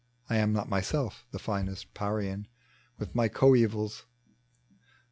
183 (I am not myself the finest Parian) With my coevals.